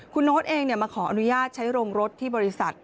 คุณโน๊ตเองมาขออนุญาตใช้โรงรถที่บริษัท